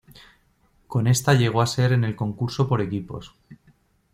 Con esta llegó a ser en el concurso por equipos.